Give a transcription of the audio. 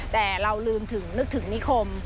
แต่เราลืมถึงนึกถึงนิคม